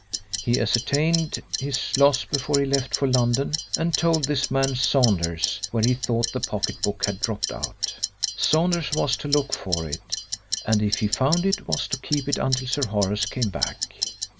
He ascertained his loss before he left for London, and told this man Sanders where he thought the pocket book had dropped out. Sanders was to look for it, and if he found it was to keep it until Sir Horace came back.